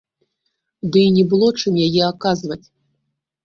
Ды і не было чым яе аказваць.